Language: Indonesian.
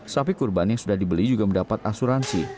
sapi kurban yang sudah dibeli juga mendapat asuransi